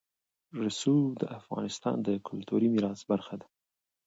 رسوب د افغانستان د کلتوري میراث برخه ده.